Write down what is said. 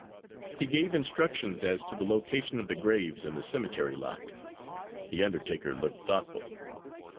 He gave instructions as to the location of the graves in the cemetery lot. The undertaker looked thoughtful.